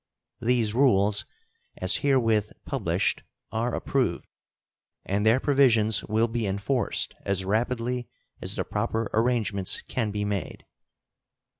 These rules as herewith published are approved, and their provisions will be enforced as rapidly as the proper arrangements can be made.